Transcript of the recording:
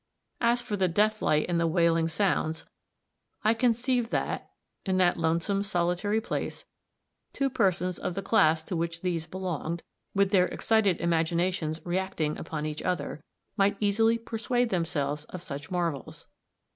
As for the death light and the wailing sounds, I conceived that, in that lonesome, solitary place, two persons of the class to which these belonged, with their excited imaginations reäcting upon each other, might easily persuade themselves of such marvels.